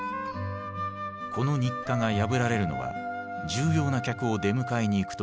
この日課が破られるのは重要な客を出迎えに行く時だけ。